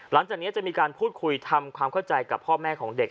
หลังจากนี้จะมีการพูดคุยทำความเข้าใจกับพ่อแม่ของเด็ก